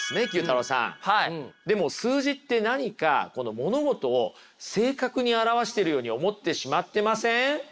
でも数字って何か物事を正確に表してるように思ってしまってません？